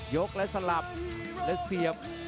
กและสลับและเสียบ